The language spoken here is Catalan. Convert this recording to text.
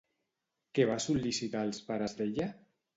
Què va sol·licitar als pares d'ella?